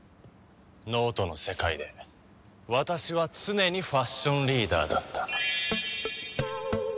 脳人の世界で私は常にファッションリーダーだった。